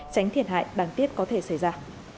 tránh thiệt hại đáng tiếc có thể xảy ra